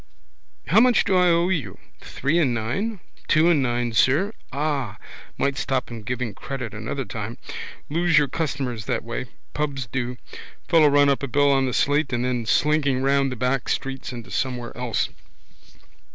How much do I owe you? Three and nine? Two and nine, sir. Ah. Might stop him giving credit another time. Lose your customers that way. Pubs do. Fellows run up a bill on the slate and then slinking around the back streets into somewhere else.